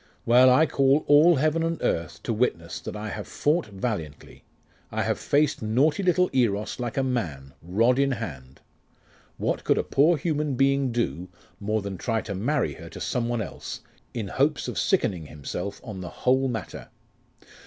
Well I call all heaven and earth to witness, that I have fought valiantly. I have faced naughty little Eros like a man, rod in hand. What could a poor human being do more than try to marry her to some one else, in hopes of sickening himself of the whole matter?